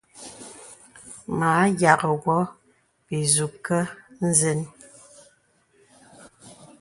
Mə a yaghì wɔ bìzūkə̀ nzən.